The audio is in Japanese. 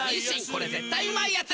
これ絶対うまいやつ」